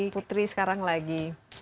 putri sekarang lagi